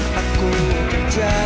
nang aku jatuh